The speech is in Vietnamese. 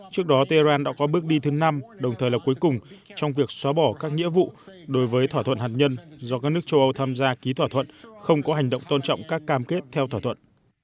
trước đó tehran đã có bước đi thứ năm đồng thời là cuối cùng trong việc xóa bỏ các nghĩa vụ đối với thỏa thuận hạt nhân do các nước châu âu tham gia ký thỏa thuận không có hành động tôn trọng các cam kết theo thỏa thuận